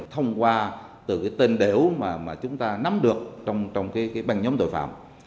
thông qua từ tên đều mà chúng ta nắm được trong băng nhóm tội phạm